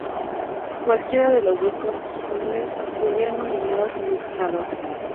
Cualquiera de los dos cónsules podría nominar a un dictador.